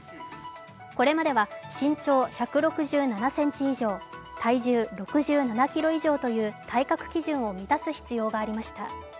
これまでは身長１６７ｃｍ以上体重６７ｋｇ以上という体格基準を満たす必要がありました。